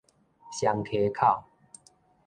雙溪口